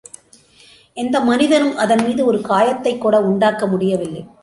எந்த மனிதனும் அதன்மீது ஒரு காயத்தைக் கூட உண்டாக்க முடியவில்லை.